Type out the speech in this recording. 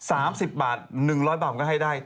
๓๐บาท๑๐๐บาทมันก็ให้ได้